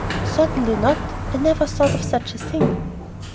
"Certainly not. I never thought of such a thing."